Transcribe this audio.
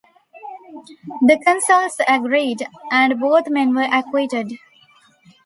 The consuls agreed, and both men were acquitted.